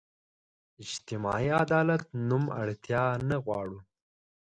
اجتماعي عدالت نوم اړتیا نه غواړو.